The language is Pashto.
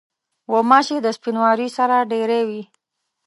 غوماشې د سپینواري سره ډېری وي.